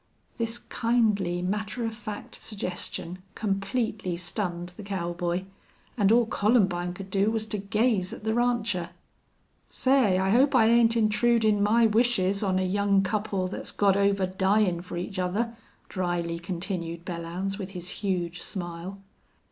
This kindly, matter of fact suggestion completely stunned the cowboy, and all Columbine could do was to gaze at the rancher. "Say, I hope I ain't intrudin' my wishes on a young couple that's got over dyin' fer each other," dryly continued Belllounds, with his huge smile.